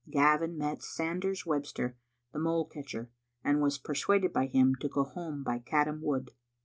Gavin met Sanders Webster, the mole catcher, and was persuaded by him to go home by Caddam Wood.